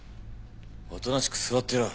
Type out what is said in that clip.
おとなしく座ってろ。